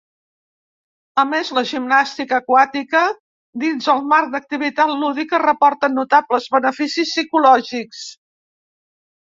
A més la gimnàstica aquàtica dins el marc d'activitat lúdica reporten notables beneficis psicològics.